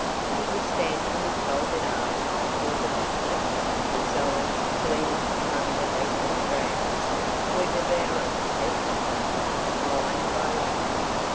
He was standing with folded arms before the picture, his eyes, gleaming from under beetling brows, were devouring it hungrily, line by line.